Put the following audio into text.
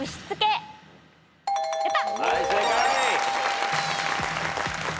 やった！